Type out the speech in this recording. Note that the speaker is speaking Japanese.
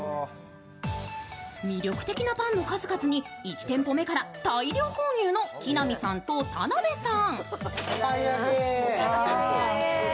魅力的なパンの数々に１店舗目から大量購入の木南さんと田辺さん。